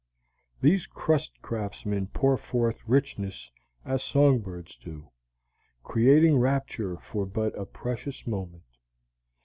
These crust craftsmen pour forth richness as song birds do, creating rapture for but a precious moment.